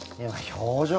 表情